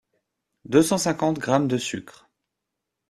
deux cent cinquantes grammes de sucre